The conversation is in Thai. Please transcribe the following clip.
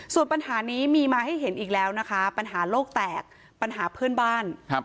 ส่วนปัญหานี้มีมาให้เห็นอีกแล้วนะคะปัญหาโลกแตกปัญหาเพื่อนบ้าน